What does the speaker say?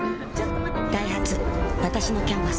ダイハツわたしの「キャンバス」